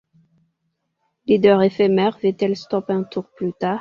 Leader éphémère, Vettel stoppe un tour plus tard.